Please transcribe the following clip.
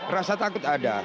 rasa takut ada